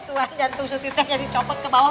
tuan jantung setir jadi copot ke bawah